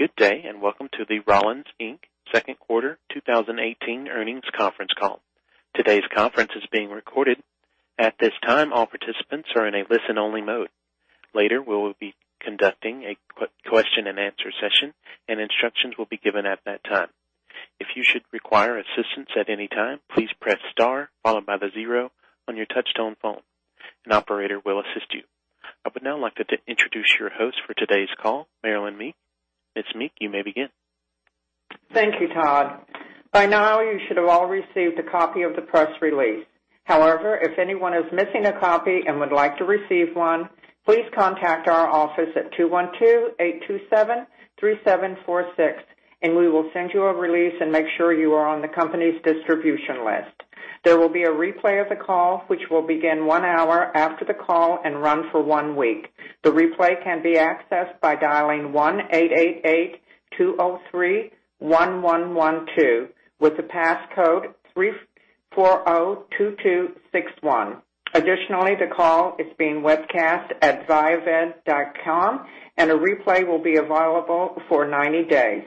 Good day. Welcome to the Rollins, Inc. second quarter 2018 earnings conference call. Today's conference is being recorded. At this time, all participants are in a listen-only mode. Later, we will be conducting a question and answer session. Instructions will be given at that time. If you should require assistance at any time, please press star, followed by the zero on your touch-tone phone. An operator will assist you. I would now like to introduce your host for today's call, Marilynn Meek. Ms. Meek, you may begin. Thank you, Todd. By now, you should have all received a copy of the press release. If anyone is missing a copy and would like to receive one, please contact our office at 212-827-3746. We will send you a release and make sure you are on the company's distribution list. There will be a replay of the call, which will begin one hour after the call and run for one week. The replay can be accessed by dialing 1-888-203-1112 with the passcode 3402261. The call is being webcast at viavid.com. A replay will be available for 90 days.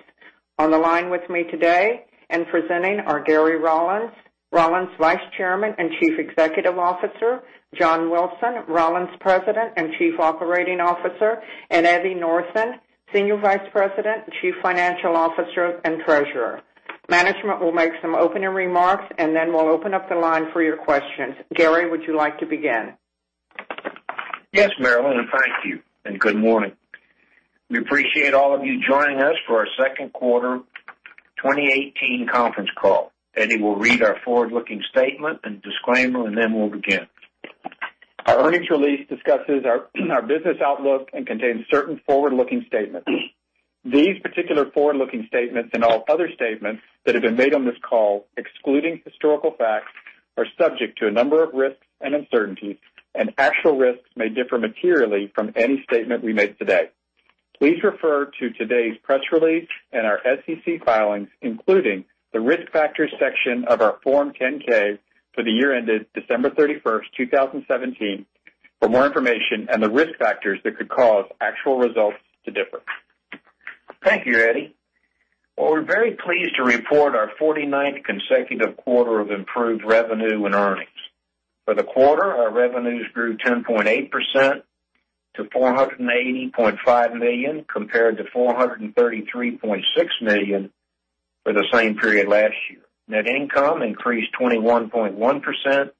On the line with me today and presenting are Gary Rollins Vice Chairman and Chief Executive Officer, John Wilson, Rollins President and Chief Operating Officer, and Eddie Northen, Senior Vice President and Chief Financial Officer and Treasurer. Management will make some opening remarks. Then we'll open up the line for your questions. Gary, would you like to begin? Yes, Marilynn. Thank you. Good morning. We appreciate all of you joining us for our second quarter 2018 conference call. Eddie will read our forward-looking statement and disclaimer. Then we'll begin. Our earnings release discusses our business outlook and contains certain forward-looking statements. These particular forward-looking statements and all other statements that have been made on this call excluding historical facts, are subject to a number of risks and uncertainties, and actual risks may differ materially from any statement we make today. Please refer to today's press release and our SEC filings, including the Risk Factors section of our Form 10-K for the year ended December 31st, 2017, for more information on the risk factors that could cause actual results to differ. Thank you, Eddie. Well, we're very pleased to report our 49th consecutive quarter of improved revenue and earnings. For the quarter, our revenues grew 10.8% to $480.5 million, compared to $433.6 million for the same period last year. Net income increased 21.1% to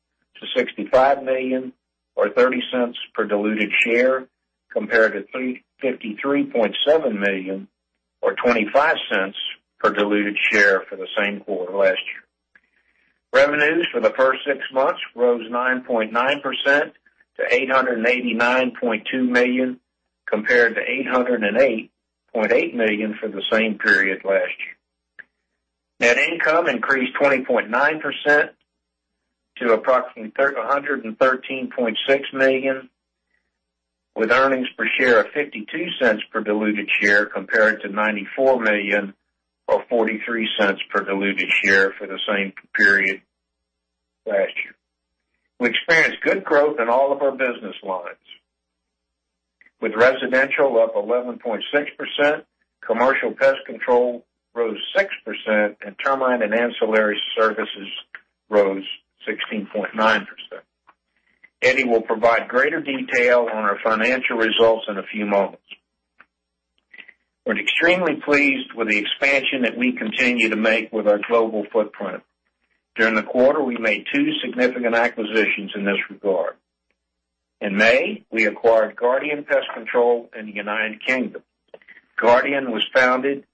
$65 million, or $0.30 per diluted share, compared to $353.7 million or $0.25 per diluted share for the same quarter last year. Revenues for the first six months rose 9.9% to $889.2 million, compared to $808.8 million for the same period last year. Net income increased 20.9% to approximately $113.6 million, with earnings per share of $0.52 per diluted share, compared to $94 million or $0.43 per diluted share for the same period last year. We experienced good growth in all of our business lines, with residential up 11.6%, commercial pest control rose 6%, and termite and ancillary services rose 16.9%. Eddie will provide greater detail on our financial results in a few moments. We're extremely pleased with the expansion that we continue to make with our global footprint. During the quarter, we made two significant acquisitions in this regard. In May, we acquired Guardian Pest Control in the United Kingdom. Guardian was founded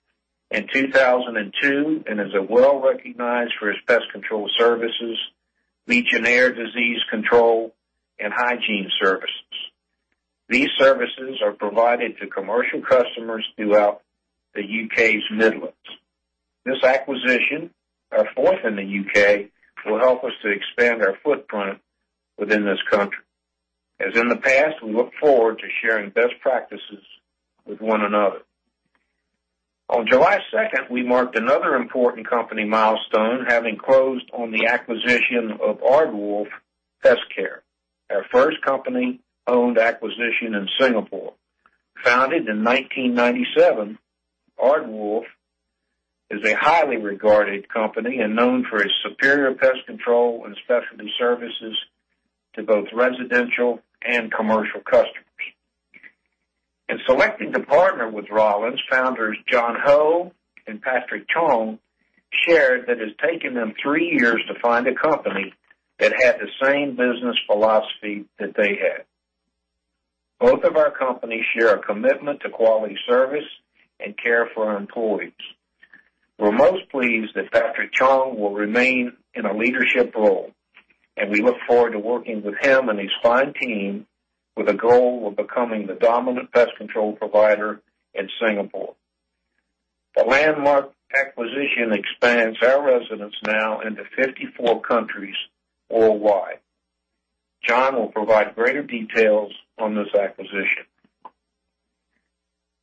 in 2002 and is well recognized for its pest control services, Legionnaires' disease control, and hygiene services. These services are provided to commercial customers throughout the U.K.'s Midlands. This acquisition, our fourth in the U.K., will help us to expand our footprint within this country. As in the past, we look forward to sharing best practices with one another. On July 2nd, we marked another important company milestone, having closed on the acquisition of Aardwolf Pestkare, our first company-owned acquisition in Singapore. Founded in 1997, Aardwolf is a highly regarded company and known for its superior pest control and specialty services to both residential and commercial customers. In selecting to partner with Rollins, founders John Ho and Patrick Chong shared that it's taken them three years to find a company that had the same business philosophy that they had. Both of our companies share a commitment to quality service and care for our employees. We're most pleased that Patrick Chong will remain in a leadership role, and we look forward to working with him and his fine team with a goal of becoming the dominant pest control provider in Singapore. The landmark acquisition expands our residence now into 54 countries worldwide. John will provide greater details on this acquisition.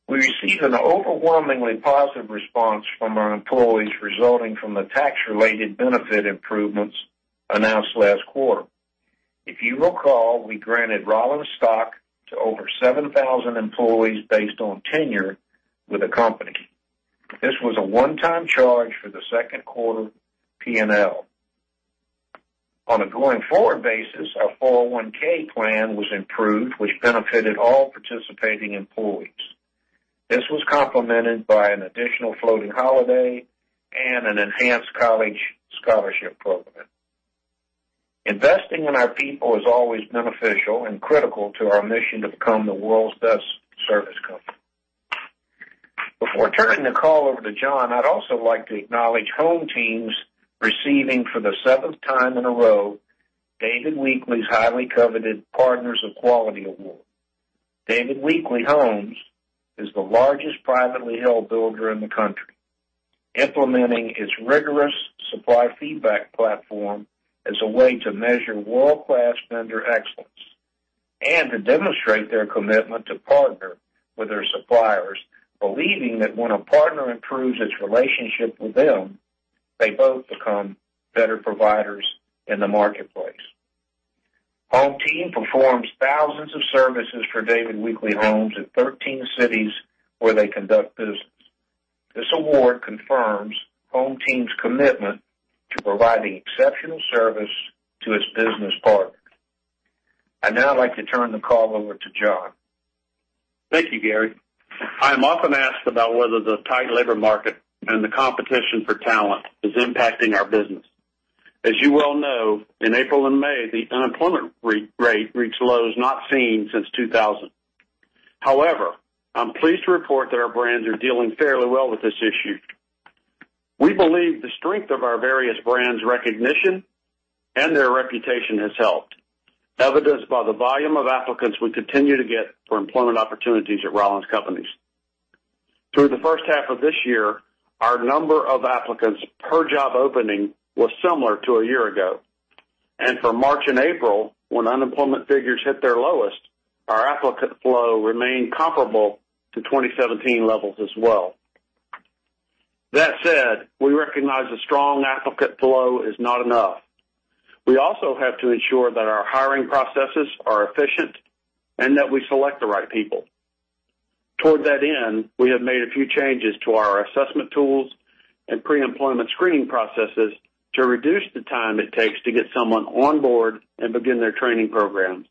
We received an overwhelmingly positive response from our employees resulting from the tax-related benefit improvements announced last quarter. If you recall, we granted Rollins stock to over 7,000 employees based on tenure with the company. This was a one-time charge for the second quarter P&L. On a going-forward basis, our 401 plan was improved, which benefited all participating employees. This was complemented by an additional floating holiday and an enhanced college scholarship program. Investing in our people is always beneficial and critical to our mission to become the world's best service company. Before turning the call over to John, I'd also like to acknowledge Home Team's receiving, for the seventh time in a row, David Weekley's highly coveted Partners of Choice award. David Weekley Homes is the largest privately held builder in the country, implementing its rigorous supply feedback platform as a way to measure world-class vendor excellence and to demonstrate their commitment to partner with their suppliers, believing that when a partner improves its relationship with them, they both become better providers in the marketplace. Home Team performs thousands of services for David Weekley Homes in 13 cities where they conduct business. This award confirms Home Team's commitment to providing exceptional service to its business partners. I'd now like to turn the call over to John. Thank you, Gary. I am often asked about whether the tight labor market and the competition for talent is impacting our business. As you well know, in April and May, the unemployment rate reached lows not seen since 2000. However, I'm pleased to report that our brands are dealing fairly well with this issue. We believe the strength of our various brands' recognition and their reputation has helped, evidenced by the volume of applicants we continue to get for employment opportunities at Rollins companies. Through the first half of this year, our number of applicants per job opening was similar to a year ago. For March and April, when unemployment figures hit their lowest, our applicant flow remained comparable to 2017 levels as well. That said, we recognize a strong applicant flow is not enough. We also have to ensure that our hiring processes are efficient and that we select the right people. Toward that end, we have made a few changes to our assessment tools and pre-employment screening processes to reduce the time it takes to get someone on board and begin their training programs.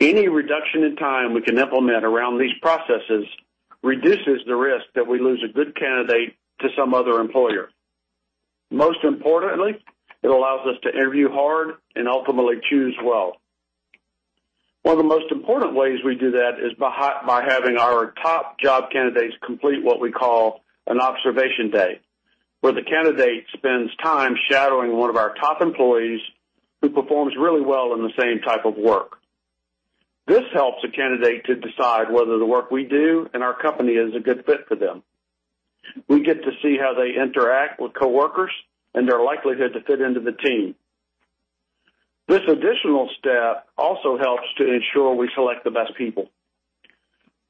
Any reduction in time we can implement around these processes reduces the risk that we lose a good candidate to some other employer. Most importantly, it allows us to interview hard and ultimately choose well. One of the most important ways we do that is by having our top job candidates complete what we call an observation day, where the candidate spends time shadowing one of our top employees who performs really well in the same type of work. This helps a candidate to decide whether the work we do and our company is a good fit for them. We get to see how they interact with coworkers and their likelihood to fit into the team. This additional step also helps to ensure we select the best people.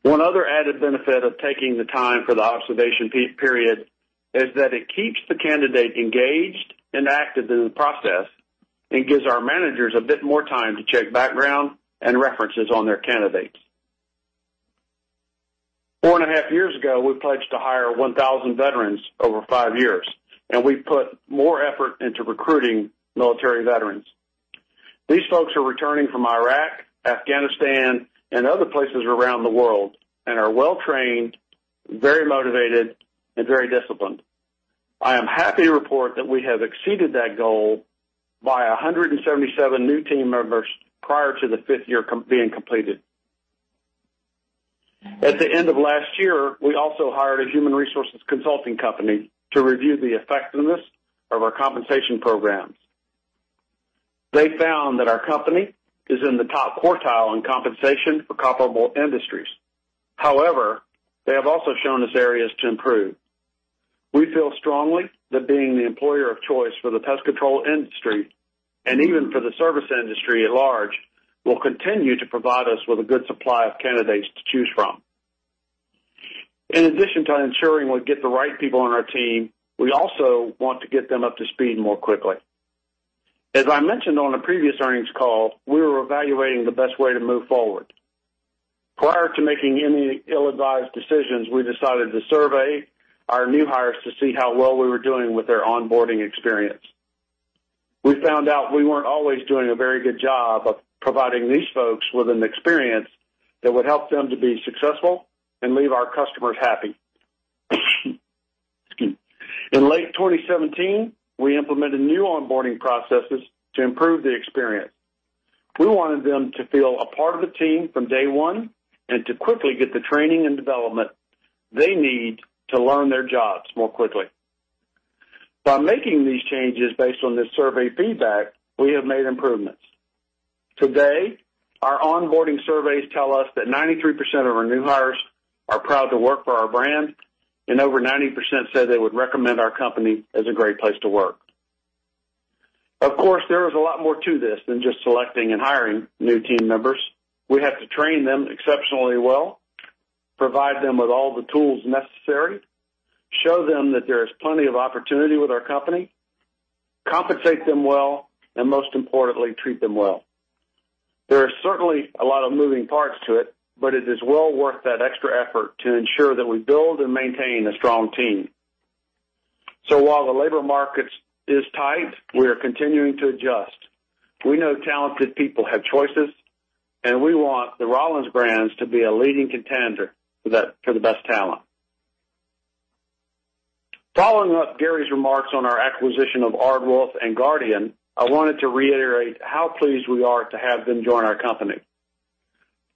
One other added benefit of taking the time for the observation period is that it keeps the candidate engaged and active in the process and gives our managers a bit more time to check background and references on their candidates. Four and a half years ago, we pledged to hire 1,000 veterans over five years. We put more effort into recruiting military veterans. These folks are returning from Iraq, Afghanistan, and other places around the world and are well-trained, very motivated, and very disciplined. I am happy to report that we have exceeded that goal by 177 new team members prior to the fifth year being completed. At the end of last year, we also hired a human resources consulting company to review the effectiveness of our compensation programs. They found that our company is in the top quartile on compensation for comparable industries. However, they have also shown us areas to improve. We feel strongly that being the employer of choice for the pest control industry, and even for the service industry at large, will continue to provide us with a good supply of candidates to choose from. In addition to ensuring we get the right people on our team, we also want to get them up to speed more quickly. As I mentioned on a previous earnings call, we were evaluating the best way to move forward. Prior to making any ill-advised decisions, we decided to survey our new hires to see how well we were doing with their onboarding experience. We found out we weren't always doing a very good job of providing these folks with an experience that would help them to be successful and leave our customers happy. Excuse me. In late 2017, we implemented new onboarding processes to improve the experience. We wanted them to feel a part of a team from day one and to quickly get the training and development they need to learn their jobs more quickly. By making these changes based on this survey feedback, we have made improvements. Today, our onboarding surveys tell us that 93% of our new hires are proud to work for our brand, and over 90% say they would recommend our company as a great place to work. Of course, there is a lot more to this than just selecting and hiring new team members. We have to train them exceptionally well. Provide them with all the tools necessary, show them that there is plenty of opportunity with our company, compensate them well, and most importantly, treat them well. There are certainly a lot of moving parts to it, but it is well worth that extra effort to ensure that we build and maintain a strong team. While the labor market is tight, we are continuing to adjust. We know talented people have choices. We want the Rollins brands to be a leading contender for the best talent. Following up Gary's remarks on our acquisition of Aardwolf and Guardian, I wanted to reiterate how pleased we are to have them join our company.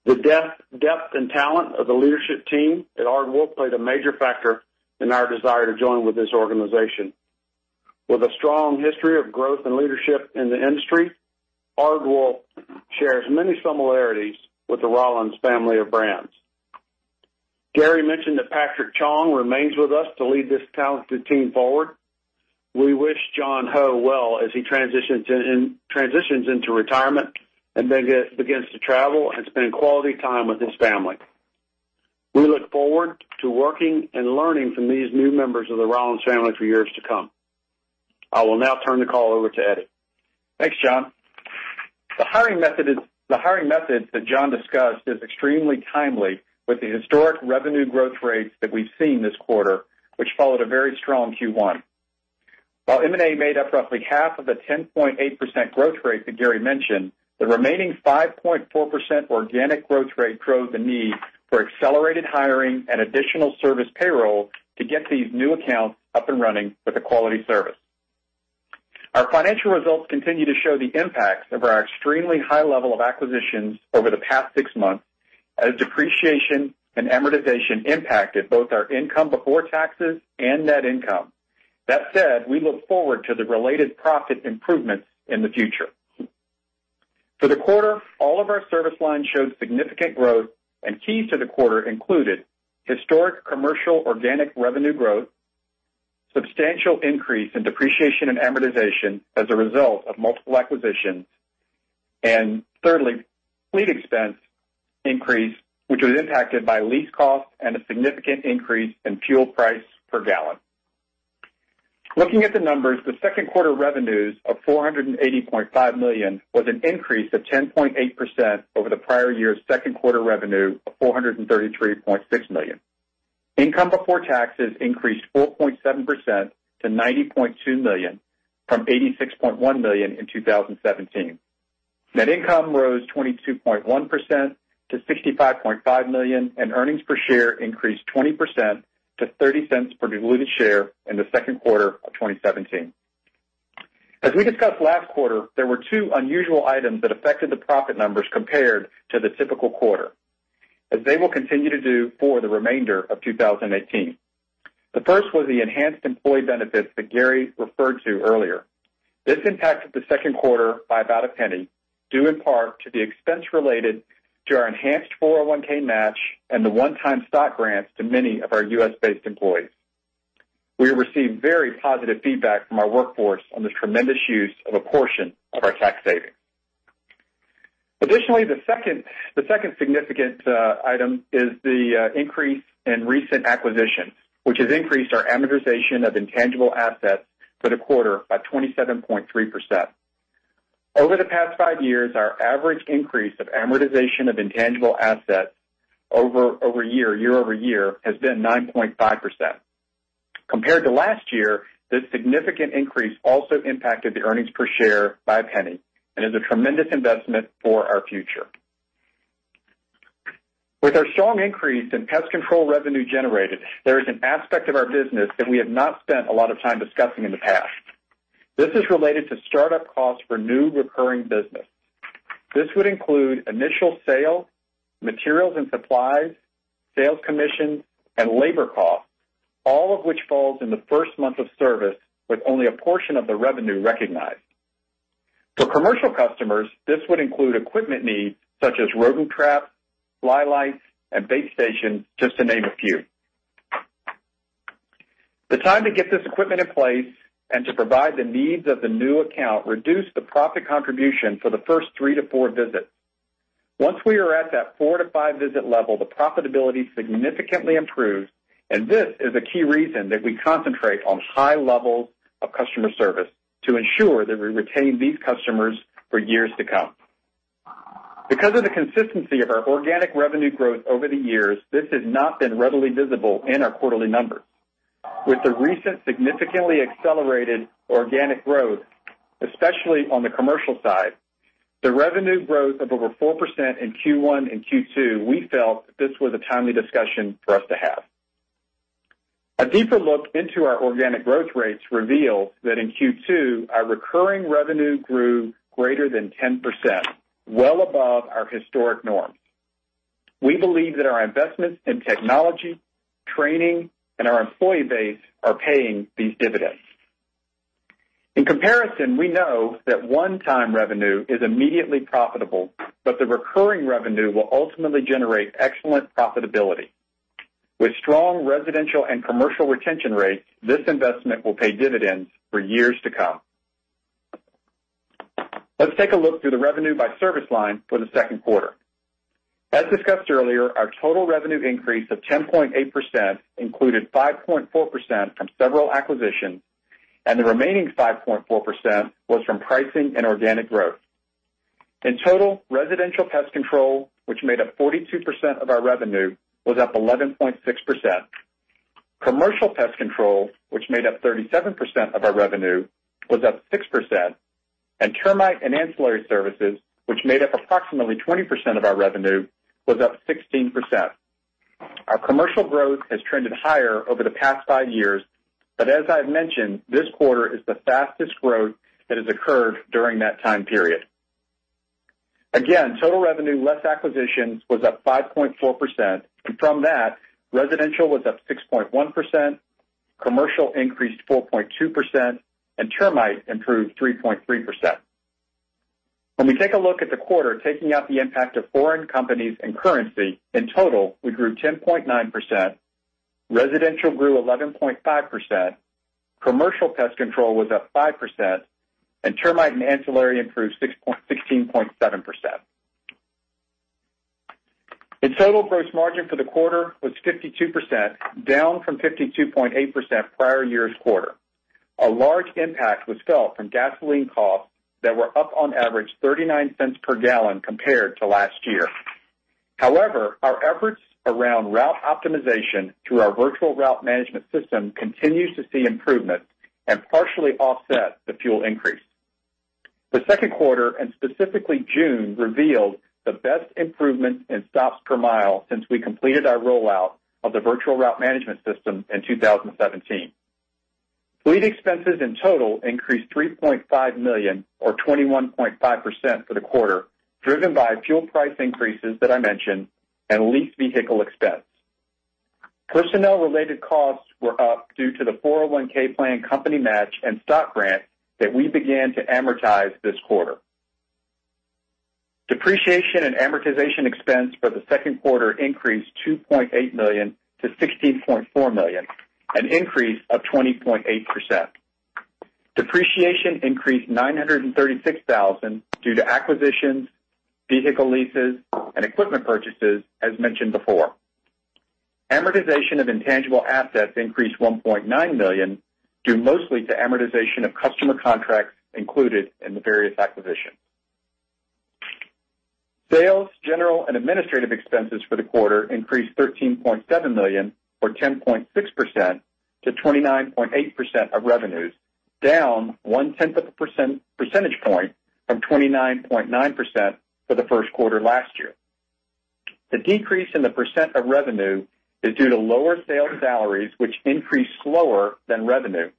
The depth in talent of the leadership team at Aardwolf played a major factor in our desire to join with this organization. With a strong history of growth and leadership in the industry, Aardwolf shares many similarities with the Rollins family of brands. Gary mentioned that Patrick Chong remains with us to lead this talented team forward. We wish John Ho well as he transitions into retirement and begins to travel and spend quality time with his family. We look forward to working and learning from these new members of the Rollins family for years to come. I will now turn the call over to Eddie. Thanks, John. The hiring method that John discussed is extremely timely with the historic revenue growth rates that we've seen this quarter, which followed a very strong Q1. While M&A made up roughly half of the 10.8% growth rate that Gary mentioned, the remaining 5.4% organic growth rate drove the need for accelerated hiring and additional service payroll to get these new accounts up and running with a quality service. Our financial results continue to show the impacts of our extremely high level of acquisitions over the past six months as depreciation and amortization impacted both our income before taxes and net income. That said, we look forward to the related profit improvements in the future. For the quarter, all of our service lines showed significant growth, and keys to the quarter included historic commercial organic revenue growth, substantial increase in depreciation and amortization as a result of multiple acquisitions, and thirdly, fleet expense increase, which was impacted by lease costs and a significant increase in fuel price per gallon. Looking at the numbers, the second quarter revenues of $480.5 million was an increase of 10.8% over the prior year's second quarter revenue of $433.6 million. Income before taxes increased 4.7% to $90.2 million from $86.1 million in 2017. Net income rose 22.1% to $65.5 million, and earnings per share increased 20% to $0.30 per diluted share in the second quarter of 2017. As we discussed last quarter, there were two unusual items that affected the profit numbers compared to the typical quarter, as they will continue to do for the remainder of 2018. The first was the enhanced employee benefits that Gary referred to earlier. This impacted the second quarter by about $0.01, due in part to the expense related to our enhanced 401 match and the one-time stock grants to many of our U.S.-based employees. We received very positive feedback from our workforce on this tremendous use of a portion of our tax savings. The second significant item is the increase in recent acquisition, which has increased our amortization of intangible assets for the quarter by 27.3%. Over the past five years, our average increase of amortization of intangible assets year-over-year has been 9.5%. Compared to last year, this significant increase also impacted the earnings per share by $0.01 and is a tremendous investment for our future. With our strong increase in pest control revenue generated, there is an aspect of our business that we have not spent a lot of time discussing in the past. This is related to startup costs for new recurring business. This would include initial sale, materials and supplies, sales commission, and labor costs, all of which falls in the first month of service with only a portion of the revenue recognized. For commercial customers, this would include equipment needs such as rodent traps, fly lights, and bait stations, just to name a few. The time to get this equipment in place and to provide the needs of the new account reduce the profit contribution for the first three to four visits. Once we are at that four to five visit level, the profitability significantly improves. This is a key reason that we concentrate on high levels of customer service to ensure that we retain these customers for years to come. Because of the consistency of our organic revenue growth over the years, this has not been readily visible in our quarterly numbers. With the recent significantly accelerated organic growth, especially on the commercial side, the revenue growth of over 4% in Q1 and Q2, we felt this was a timely discussion for us to have. A deeper look into our organic growth rates reveals that in Q2, our recurring revenue grew greater than 10%, well above our historic norms. We believe that our investments in technology, training, and our employee base are paying these dividends. In comparison, we know that one-time revenue is immediately profitable. The recurring revenue will ultimately generate excellent profitability. With strong residential and commercial retention rates, this investment will pay dividends for years to come. Let's take a look through the revenue by service line for the second quarter. As discussed earlier, our total revenue increase of 10.8% included 5.4% from several acquisitions, and the remaining 5.4% was from pricing and organic growth. In total, residential pest control, which made up 42% of our revenue, was up 11.6%. Commercial pest control, which made up 37% of our revenue, was up 6%, and termite and ancillary services, which made up approximately 20% of our revenue, was up 16%. Our commercial growth has trended higher over the past five years. As I've mentioned, this quarter is the fastest growth that has occurred during that time period. Again, total revenue, less acquisitions, was up 5.4%. From that, residential was up 6.1%, commercial increased 4.2%, and termite improved 3.3%. When we take a look at the quarter, taking out the impact of foreign companies and currency, in total, we grew 10.9%, residential grew 11.5%, commercial pest control was up 5%, and termite and ancillary improved 16.7%. In total, gross margin for the quarter was 52%, down from 52.8% prior year's quarter. A large impact was felt from gasoline costs that were up on average $0.39 per gallon compared to last year. However, our efforts around route optimization through our virtual route management system continues to see improvement and partially offset the fuel increase. The second quarter, and specifically June, revealed the best improvement in stops per mile since we completed our rollout of the virtual route management system in 2017. Fleet expenses in total increased $3.5 million or 21.5% for the quarter, driven by fuel price increases that I mentioned and lease vehicle expense. Personnel-related costs were up due to the 401(k) plan company match and stock grant that we began to amortize this quarter. Depreciation and amortization expense for the second quarter increased $2.8 million to $16.4 million, an increase of 20.8%. Depreciation increased $936,000 due to acquisitions, vehicle leases, and equipment purchases, as mentioned before. Amortization of intangible assets increased $1.9 million, due mostly to amortization of customer contracts included in the various acquisitions. Sales, General, and Administrative expenses for the quarter increased $13.7 million or 10.6% to 29.8% of revenues, down one-tenth of a percentage point from 29.9% for the first quarter last year. The decrease in the percent of revenue is due to lower sales salaries, which increased slower than revenue,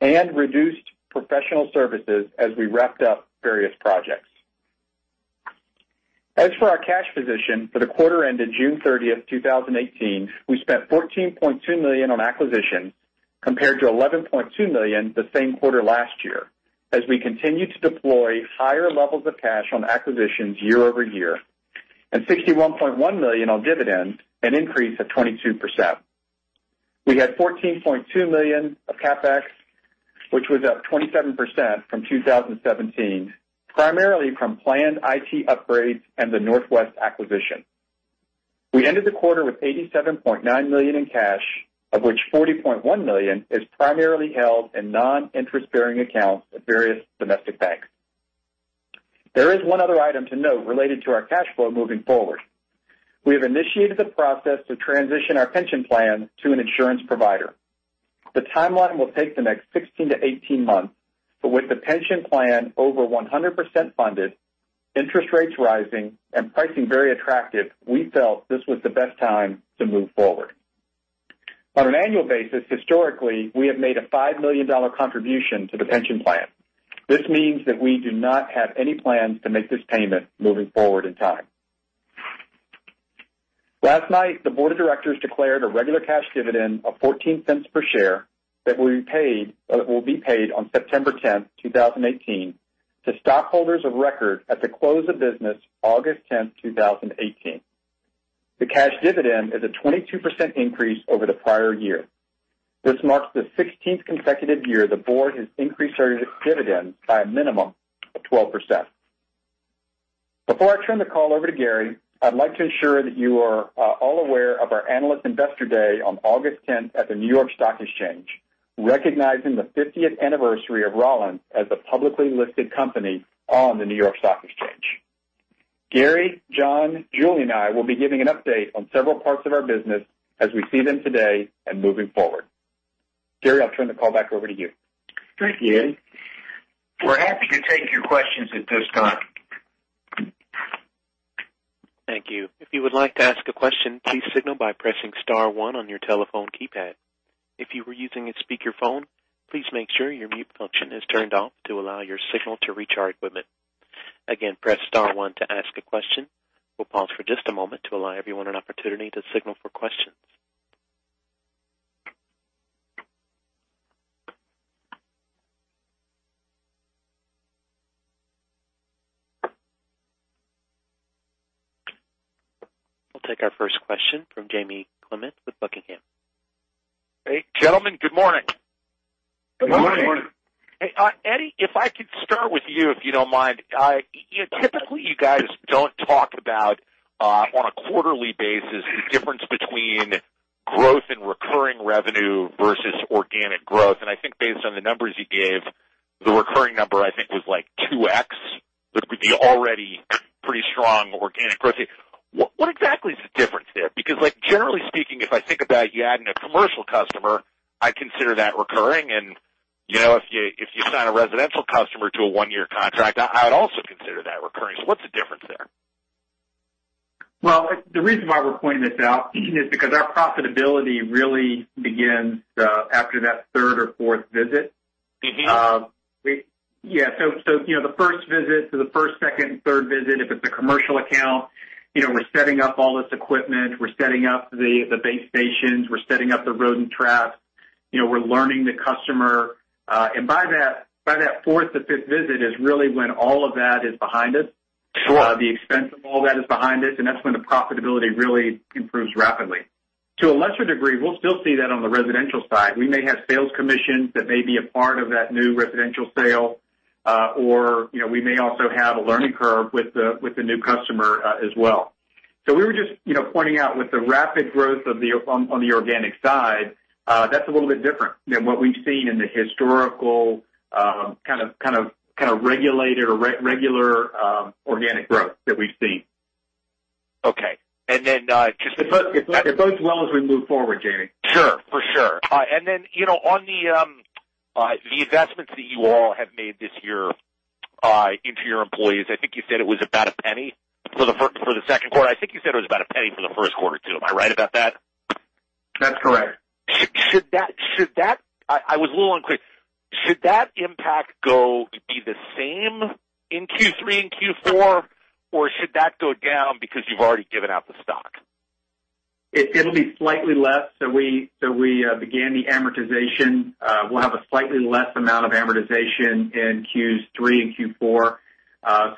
and reduced professional services as we wrapped up various projects. As for our cash position for the quarter ended June 30th, 2018, we spent $14.2 million on acquisitions compared to $11.2 million the same quarter last year as we continue to deploy higher levels of cash on acquisitions year-over-year, and $61.1 million on dividends, an increase of 22%. We had $14.2 million of CapEx, which was up 27% from 2017, primarily from planned IT upgrades and the Northwest acquisition. We ended the quarter with $87.9 million in cash, of which $40.1 million is primarily held in non-interest-bearing accounts at various domestic banks. There is one other item to note related to our cash flow moving forward. We have initiated the process to transition our pension plan to an insurance provider. The timeline will take the next 16-18 months, but with the pension plan over 100% funded, interest rates rising, and pricing very attractive, we felt this was the best time to move forward. On an annual basis, historically, we have made a $5 million contribution to the pension plan. This means that we do not have any plans to make this payment moving forward in time. Last night, the board of directors declared a regular cash dividend of $0.14 per share that will be paid on September 10th, 2018, to stockholders of record at the close of business August 10th, 2018. The cash dividend is a 22% increase over the prior year. This marks the 16th consecutive year the board has increased our dividend by a minimum of 12%. Before I turn the call over to Gary, I'd like to ensure that you are all aware of our Analyst Investor Day on August 10th at the New York Stock Exchange, recognizing the 50th anniversary of Rollins as a publicly listed company on the New York Stock Exchange. Gary, John, Julie, and I will be giving an update on several parts of our business as we see them today and moving forward. Gary, I'll turn the call back over to you. Thank you. We're happy to take your questions at this time. Thank you. If you would like to ask a question, please signal by pressing *1 on your telephone keypad. If you are using a speakerphone, please make sure your mute function is turned off to allow your signal to reach our equipment. Again, press *1 to ask a question. We'll pause for just a moment to allow everyone an opportunity to signal for questions. We'll take our first question from Jamie Clement with Buckingham. Hey, gentlemen. Good morning. Good morning. Eddie, if I could start with you, if you don't mind. Typically, you guys don't talk about, on a quarterly basis, the difference between growth in recurring revenue versus organic growth. I think based on the numbers you gave, the recurring number, I think, was like 2x the already pretty strong organic growth rate. What exactly is the difference there? Generally speaking, if I think about you adding a commercial customer, I consider that recurring, and if you sign a residential customer to a one-year contract, I would also consider that recurring. What's the difference there? Well, the reason why we're pointing this out is our profitability really begins after that third or fourth visit. Yeah, the first visit to the first, second, third visit, if it's a commercial account, we're setting up all this equipment, we're setting up the base stations, we're setting up the rodent traps, we're learning the customer. By that fourth or fifth visit is really when all of that is behind us. Sure. The expense of all that is behind us. That's when the profitability really improves rapidly. To a lesser degree, we'll still see that on the residential side. We may have sales commissions that may be a part of that new residential sale, or we may also have a learning curve with the new customer as well. We were just pointing out with the rapid growth on the organic side, that's a little bit different than what we've seen in the historical kind of regulated or regular organic growth that we've seen. Okay. Just If I could as well as we move forward, Jamie. Sure. For sure. On the investments that you all have made this year into your employees, I think you said it was about $0.01 for the second quarter. I think you said it was about $0.01 for the first quarter, too. Am I right about that? That's correct. I was a little unclear. Should that impact go be the same in Q3 and Q4, or should that go down because you've already given out the stock? It'll be slightly less. We began the amortization. We'll have a slightly less amount of amortization in Q3 and Q4.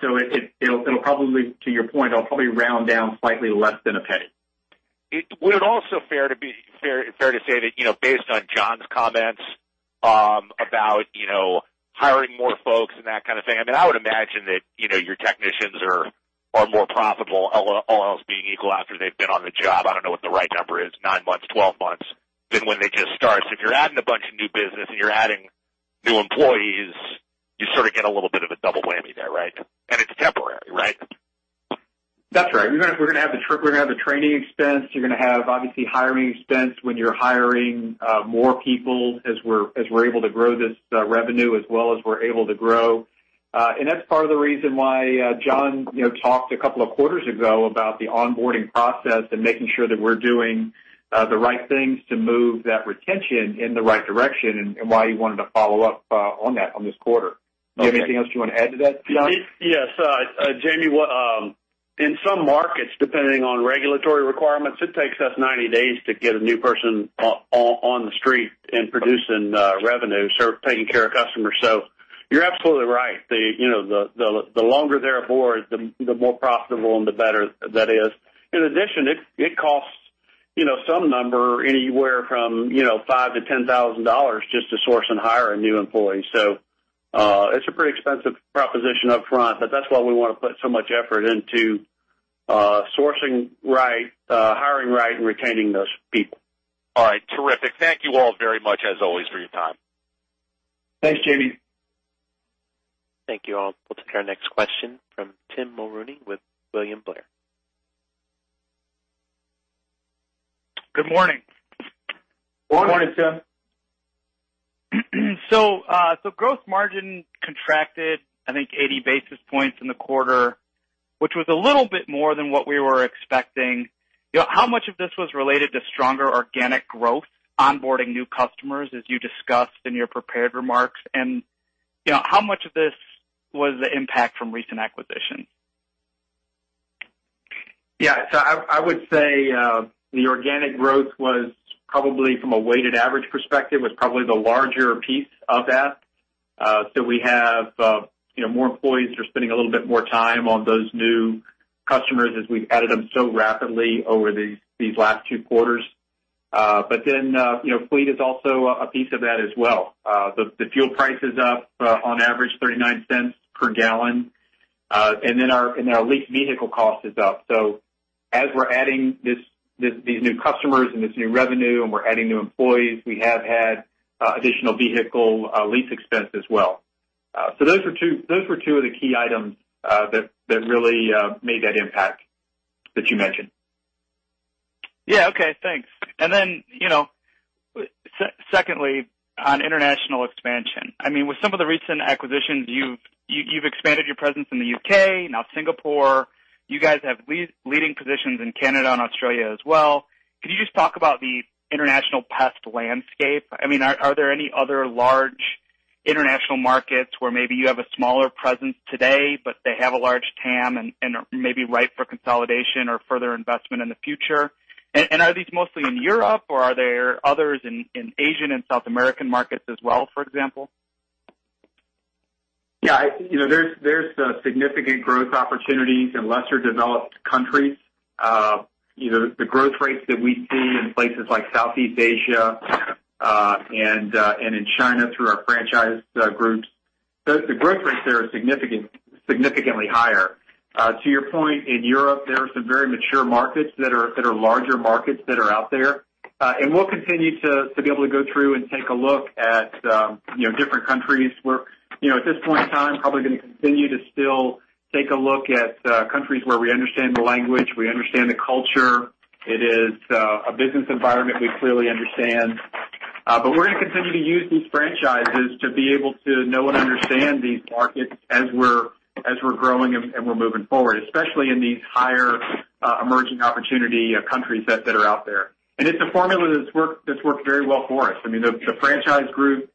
To your point, it'll probably round down slightly less than $0.01. Would it also be fair to say that based on John's comments about hiring more folks and that kind of thing, I would imagine that your technicians are more profitable, all else being equal, after they've been on the job, I don't know what the right number is, nine months, 12 months, than when they just start. If you're adding a bunch of new business and you're adding new employees, you sort of get a little bit of a double whammy there, right? It's temporary, right? That's right. We're going to have the training expense. You're going to have, obviously, hiring expense when you're hiring more people as we're able to grow this revenue as well as we're able to grow. That's part of the reason why John talked a couple of quarters ago about the onboarding process and making sure that we're doing the right things to move that retention in the right direction and why he wanted to follow up on that on this quarter. Okay. Do you have anything else you want to add to that, John? Yes. Jamie, in some markets, depending on regulatory requirements, it takes us 90 days to get a new person on the street and producing revenue, start taking care of customers. You're absolutely right. The longer they're aboard, the more profitable and the better that is. In addition, it costs some number, anywhere from five to $10,000 just to source and hire a new employee. It's a pretty expensive proposition up front, but that's why we want to put so much effort into sourcing right, hiring right, and retaining those people. All right. Terrific. Thank you all very much as always for your time. Thanks, Jamie. Thank you all. We'll take our next question from Tim Mulrooney with William Blair. Good morning. Morning. Morning, Tim. Gross margin contracted, I think, 80 basis points in the quarter, which was a little bit more than what we were expecting. How much of this was related to stronger organic growth, onboarding new customers, as you discussed in your prepared remarks, and how much of this was the impact from recent acquisitions? I would say the organic growth was probably from a weighted average perspective, was probably the larger piece of that. We have more employees are spending a little bit more time on those new customers as we've added them so rapidly over these last 2 quarters. Fleet is also a piece of that as well. The fuel price is up on average $0.39 per gallon. Our leased vehicle cost is up. As we're adding these new customers and this new revenue, and we're adding new employees, we have had additional vehicle lease expense as well. Those were 2 of the key items that really made that impact that you mentioned. Okay. Thanks. Secondly, on international expansion. With some of the recent acquisitions, you've expanded your presence in the U.K., now Singapore. You guys have leading positions in Canada and Australia as well. Could you just talk about the international pest landscape? Are there any other large international markets where maybe you have a smaller presence today, but they have a large TAM and are maybe ripe for consolidation or further investment in the future? Are these mostly in Europe, or are there others in Asian and South American markets as well, for example? There's significant growth opportunities in lesser developed countries. The growth rates that we see in places like Southeast Asia and in China through our franchise groups, the growth rates there are significantly higher. To your point, in Europe, there are some very mature markets that are larger markets that are out there. We'll continue to be able to go through and take a look at different countries where, at this point in time, probably going to continue to still take a look at countries where we understand the language, we understand the culture. It is a business environment we clearly understand. We're going to continue to use these franchises to be able to know and understand these markets as we're growing and we're moving forward, especially in these higher emerging opportunity countries that are out there. It's a formula that's worked very well for us. I mean, the franchise group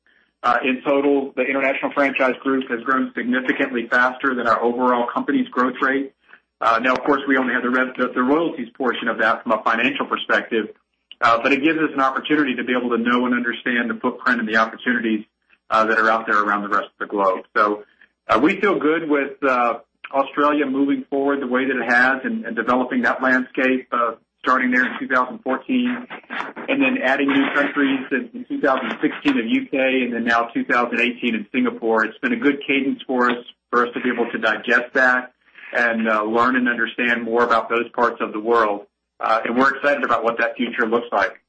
in total, the international franchise group, has grown significantly faster than our overall company's growth rate. Now, of course, we only have the royalties portion of that from a financial perspective. It gives us an opportunity to be able to know and understand the footprint and the opportunities that are out there around the rest of the globe. We feel good with Australia moving forward the way that it has and developing that landscape, starting there in 2014 and then adding new countries in 2016 in U.K., then now 2018 in Singapore. It's been a good cadence for us to be able to digest that and learn and understand more about those parts of the world. We're excited about what that future looks like.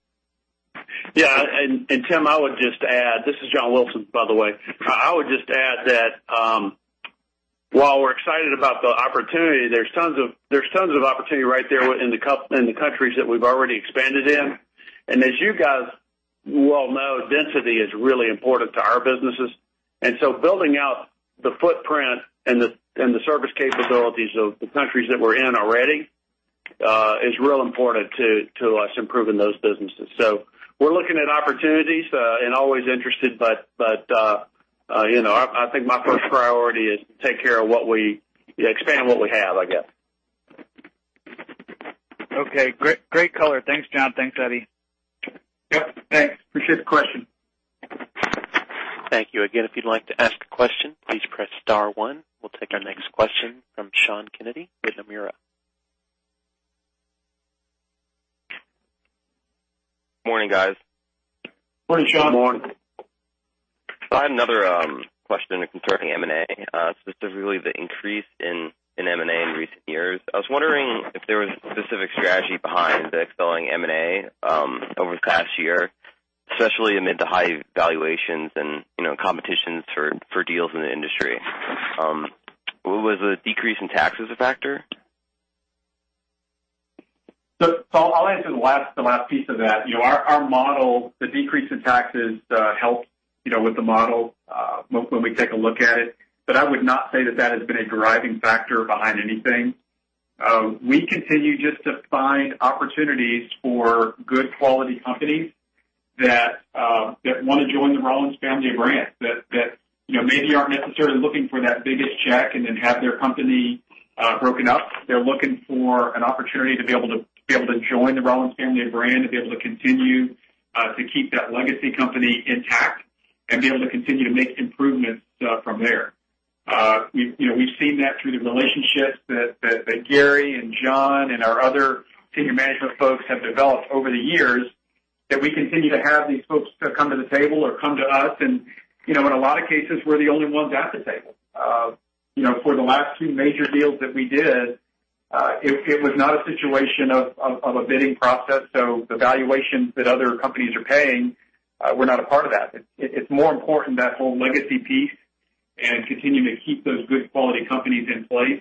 Yeah. Tim, this is John Wilson, by the way. I would just add that while we're excited about the opportunity, there's tons of opportunity right there in the countries that we've already expanded in. As you guys well know, density is really important to our businesses. Building out the footprint and the service capabilities of the countries that we're in already is real important to us improving those businesses. We're looking at opportunities and always interested, but I think my first priority is to expand what we have, I guess. Okay, great color. Thanks, John. Thanks, Eddie. Yep. Thanks. Appreciate the question. Thank you. Again, if you'd like to ask a question, please press star one. We'll take our next question from Sean Kennedy with Nomura. Morning, guys. Morning, Sean. Morning. I had another question concerning M&A, specifically the increase in M&A in recent years. I was wondering if there was a specific strategy behind the accelerating M&A over the past year, especially amid the high valuations and competition for deals in the industry. Was the decrease in taxes a factor? I'll answer the last piece of that. Our model, the decrease in taxes helped with the model when we take a look at it. I would not say that that has been a driving factor behind anything. We continue just to find opportunities for good quality companies that want to join the Rollins family of brands, that maybe aren't necessarily looking for that biggest check and then have their company broken up. They're looking for an opportunity to be able to join the Rollins family of brand, to be able to continue to keep that legacy company intact and be able to continue to make improvements from there. We've seen that through the relationships that Gary and John and our other senior management folks have developed over the years, that we continue to have these folks come to the table or come to us. In a lot of cases, we're the only ones at the table. For the last two major deals that we did, it was not a situation of a bidding process. The valuations that other companies are paying, we're not a part of that. It's more important that whole legacy piece and continuing to keep those good quality companies in place,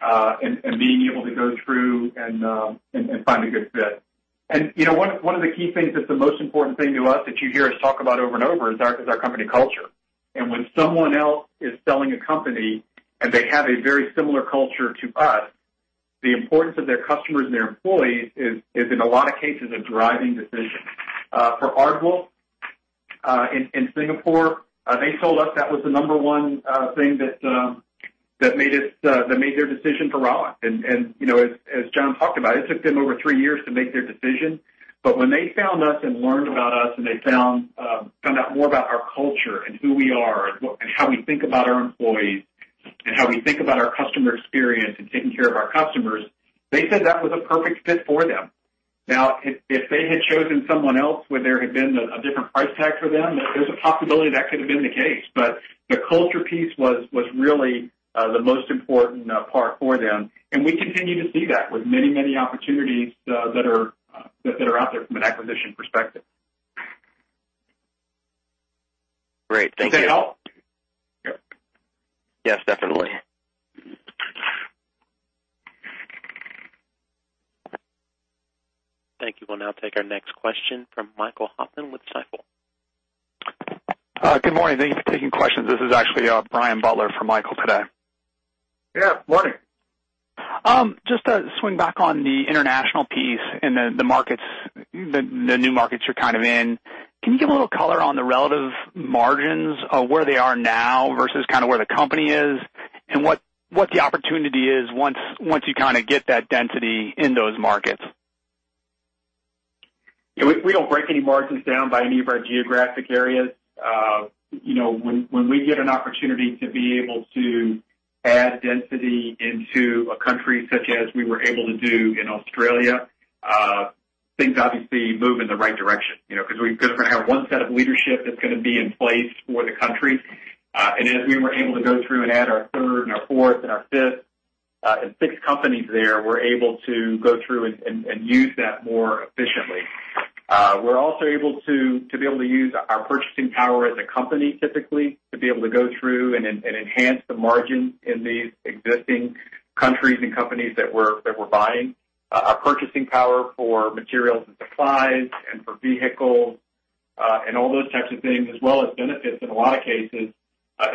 and being able to go through and find a good fit. One of the key things that's the most important thing to us that you hear us talk about over and over is our company culture. When someone else is selling a company and they have a very similar culture to us, the importance of their customers and their employees is in a lot of cases a driving decision. For Aardwolf in Singapore, they told us that was the number one thing that made their decision for Rollins. As John talked about, it took them over three years to make their decision. When they found us and learned about us, and they found out more about our culture and who we are and how we think about our employees and how we think about our customer experience and taking care of our customers, they said that was a perfect fit for them. Now, if they had chosen someone else, would there have been a different price tag for them? There's a possibility that could have been the case, the culture piece was really the most important part for them, and we continue to see that with many opportunities that are out there from an acquisition perspective. Great. Thank you. Is that help? Yes, definitely. Thank you. We'll now take our next question from Michael Hoffman with Stifel. Good morning. Thank you for taking questions. This is actually Brian Butler for Michael today. Yeah. Morning. Just to swing back on the international piece and the new markets you're kind of in, can you give a little color on the relative margins of where they are now versus where the company is and what the opportunity is once you get that density in those markets? We don't break any margins down by any of our geographic areas. When we get an opportunity to be able to add density into a country such as we were able to do in Australia, things obviously move in the right direction. We're going to have one set of leadership that's going to be in place for the country. As we were able to go through and add our third and our fourth and our fifth and sixth companies there, we're able to go through and use that more efficiently. We're also able to use our purchasing power as a company, typically, to be able to go through and enhance the margin in these existing countries and companies that we're buying. Our purchasing power for materials and supplies and for vehicles, and all those types of things, as well as benefits in a lot of cases,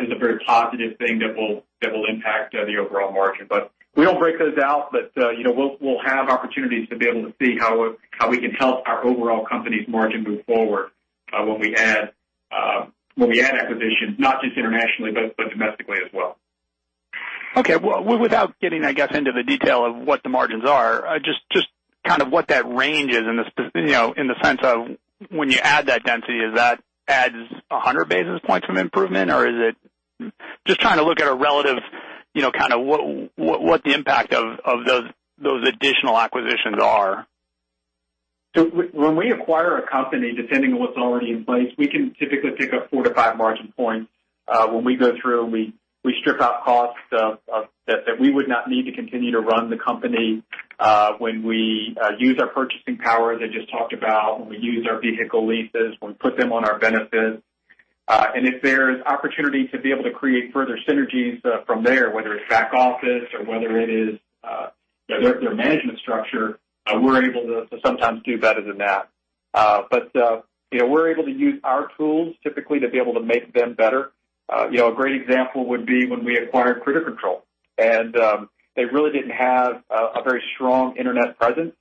is a very positive thing that will impact the overall margin. We don't break those out, but we'll have opportunities to be able to see how we can help our overall company's margin move forward when we add acquisitions, not just internationally, but domestically as well. Okay. Well, without getting, I guess, into the detail of what the margins are, just what that range is in the sense of when you add that density, is that adds 100 basis points of improvement? Just trying to look at a relative, what the impact of those additional acquisitions are. When we acquire a company, depending on what's already in place, we can typically pick up four to five margin points. When we go through, we strip out costs that we would not need to continue to run the company. When we use our purchasing power, as I just talked about, when we use our vehicle leases, when we put them on our benefits. If there's opportunity to be able to create further synergies from there, whether it's back office or whether it is their management structure, we're able to sometimes do better than that. We're able to use our tools typically to be able to make them better. A great example would be when we acquired Critter Control. They really didn't have a very strong internet presence.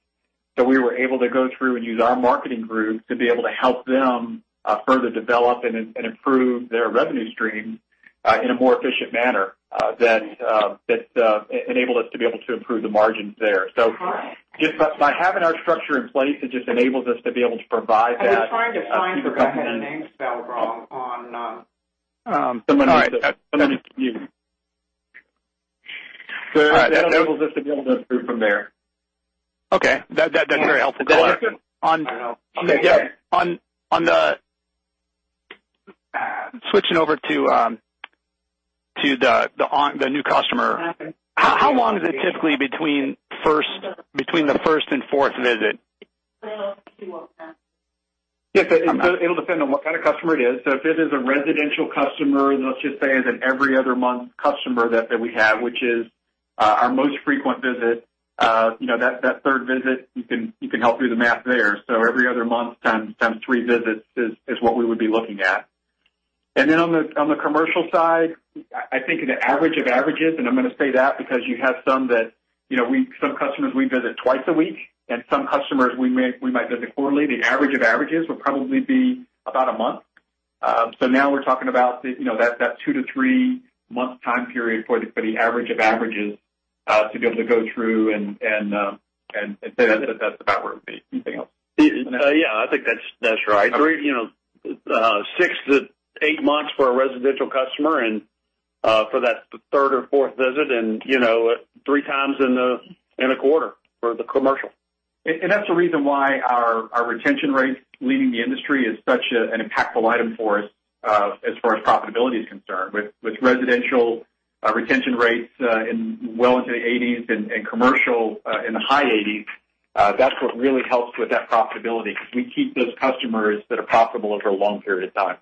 We were able to go through and use our marketing group to be able to help them further develop and improve their revenue stream in a more efficient manner that enabled us to be able to improve the margins there. Just by having our structure in place, it just enables us to be able to provide that. I was trying to sign Rebecca, and the name spelled wrong on. Somebody- It enables us to be able to improve from there. Okay. That's very helpful. You're welcome. Switching over to the new customer, how long is it typically between the first and fourth visit? Yes. It'll depend on what kind of customer it is. If it is a residential customer, let's just say as an every other month customer that we have, which is our most frequent visit. That third visit, you can help do the math there. Every other month times three visits is what we would be looking at. On the commercial side, I think the average of averages, and I'm going to say that because you have some customers we visit twice a week, and some customers we might visit quarterly. The average of averages would probably be about a month. Now we're talking about that two to three-month time period for the average of averages to be able to go through and say that that's about where it would be. Anything else? Yeah, I think that's right. 6 to 8 months for a residential customer, and for that third or fourth visit and three times in a quarter for the commercial. That's the reason why our retention rates leading the industry is such an impactful item for us, as far as profitability is concerned. With residential, retention rates well into the 80s and commercial in the high 80s, that's what really helps with that profitability, because we keep those customers that are profitable over a long period of time.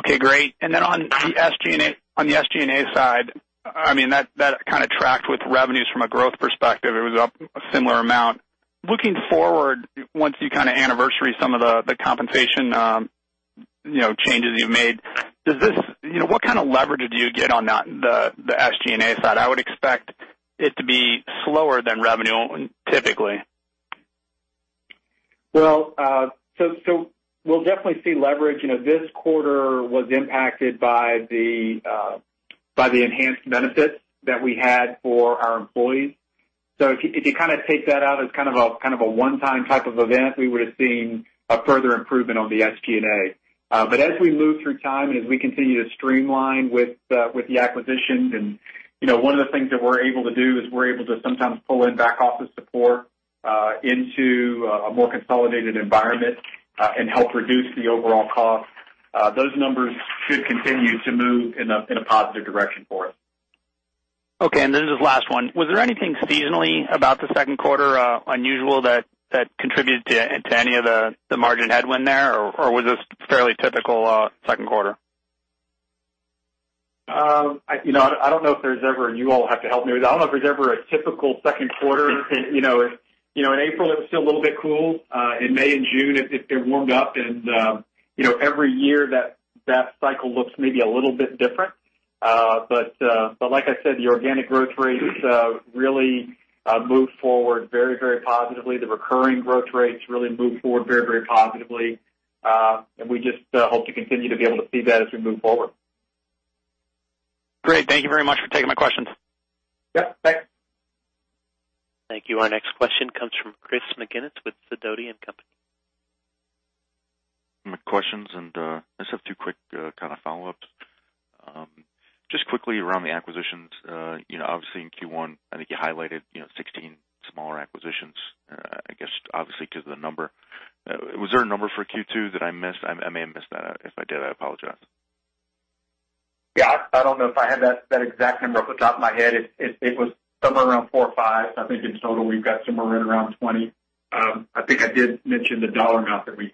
Okay, great. Then on the SG&A side, that kind of tracked with revenues from a growth perspective. It was up a similar amount. Looking forward, once you kind of anniversary some of the compensation changes you made, what kind of leverage do you get on the SG&A side? I would expect it to be slower than revenue typically. Well, we'll definitely see leverage. This quarter was impacted by the enhanced benefits that we had for our employees. If you take that out as kind of a one-time type of event, we would have seen a further improvement on the SG&A. As we move through time and as we continue to streamline with the acquisitions and one of the things that we're able to do is we're able to sometimes pull in back office support into a more consolidated environment and help reduce the overall cost. Those numbers should continue to move in a positive direction for us. Okay, this is the last one. Was there anything seasonally about the second quarter unusual that contributed to any of the margin headwind there, or was this fairly typical second quarter? I don't know if there's ever You all have to help me with that. I don't know if there's ever a typical second quarter. In April, it was still a little bit cool. In May and June, it warmed up, and every year that cycle looks maybe a little bit different. Like I said, the organic growth rates really moved forward very positively. The recurring growth rates really moved forward very positively. We just hope to continue to be able to see that as we move forward. Great. Thank you very much for taking my questions. Yep, thanks. Thank you. Our next question comes from Christopher McGinnis with Sidoti & Company. My questions, I just have two quick follow-ups. Just quickly around the acquisitions, obviously in Q1, I think you highlighted 16 smaller acquisitions, I guess obviously because of the number. Was there a number for Q2 that I missed? I may have missed that. If I did, I apologize. Yeah, I don't know if I have that exact number off the top of my head. It was somewhere around four or five. I think in total, we've got somewhere in around 20. I think I did mention the dollar amount that we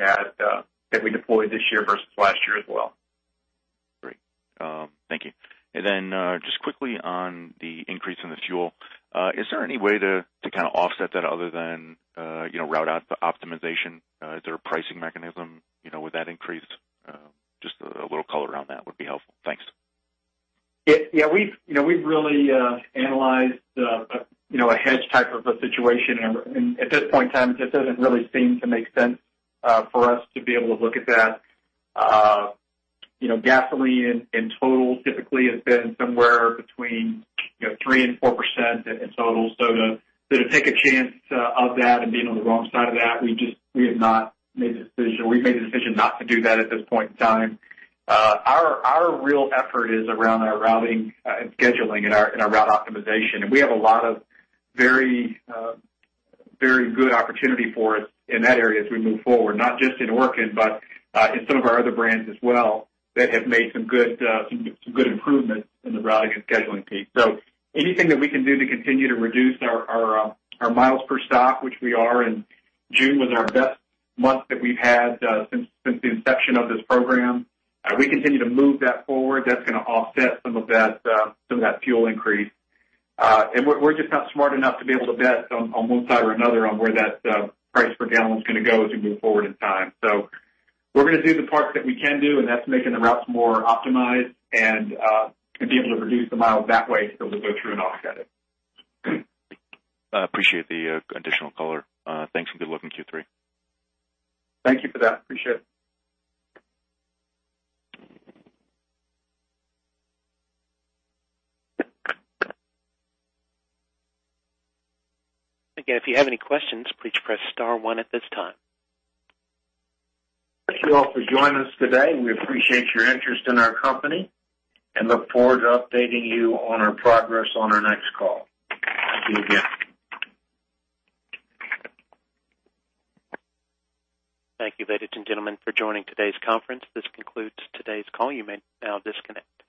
had, that we deployed this year versus last year as well. Great. Thank you. Just quickly on the increase in the fuel. Is there any way to offset that other than route optimization? Is there a pricing mechanism with that increase? Just a little color around that would be helpful. Thanks. We've really analyzed a hedge type of a situation, and at this point in time, it just doesn't really seem to make sense for us to be able to look at that. Gasoline in total typically has been somewhere between 3% and 4% in total. To take a chance of that and being on the wrong side of that, we have not made the decision. We've made the decision not to do that at this point in time. Our real effort is around our routing and scheduling and our route optimization, and we have a lot of very good opportunity for us in that area as we move forward, not just in Orkin, but in some of our other brands as well that have made some good improvements in the routing and scheduling piece. Anything that we can do to continue to reduce our miles per stop, which we are, and June was our best month that we've had since the inception of this program. We continue to move that forward. That's going to offset some of that fuel increase. We're just not smart enough to be able to bet on one side or another on where that price per gallon is going to go as we move forward in time. We're going to do the parts that we can do, and that's making the routes more optimized and to be able to reduce the miles that way so that we go through and offset it. Appreciate the additional color. Thanks, good luck in Q3. Thank you for that. Appreciate it. Again, if you have any questions, please press star one at this time. Thank you all for joining us today. We appreciate your interest in our company and look forward to updating you on our progress on our next call. Thank you again. Thank you, ladies and gentlemen, for joining today's conference. This concludes today's call. You may now disconnect.